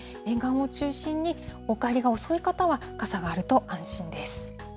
沿岸を中心に、お帰りが遅い方は傘があると安心です。